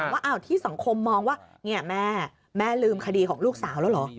ว่าที่สังคมมองว่าแม่แม่ลืมคดีของลูกสาวแล้วเหรอ